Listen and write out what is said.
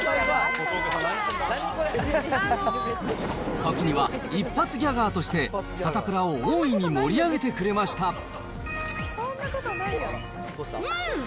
ときには一発ギャガーとして、サタプラを大いに盛り上げてくうん！